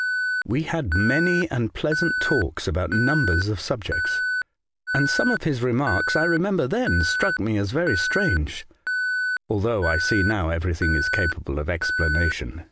We had many and pleasant talks about numbers of subjects, and some of his remarks I remember then struck me as very strange, although I see now everything is capable of explanation.